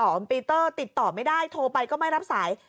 ปีเตอร์ติดต่อไม่ได้โทรไปก็ไม่รับสาย